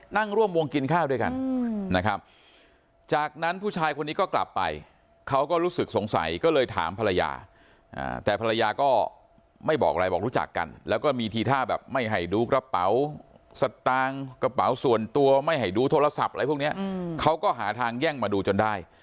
นั่งร่วมวงกินข้าวด้วยกันนะครับจากนั้นผู้ชายคนนี้ก็กลับไปเขาก็รู้สึกสงสัยก็เลยถามภรรยาแต่ภรรยาก็ไม่บอกอะไรบอกรู้จักกันแล้วก็มีทีท่าแบบไม่ให้ดูกระเป๋าสตางค์กระเป๋าส่วนตัวไม่ให้ดูโทรศัพท์อะไรพวกนี้เขาก็หาทางแย่งมาดูจนได้